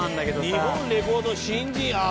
日本レコード新人ああ